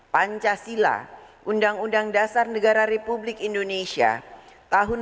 pancasila undang undang dasar negara republik indonesia tahun seribu sembilan ratus empat puluh lima